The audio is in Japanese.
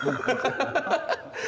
ハハハハ。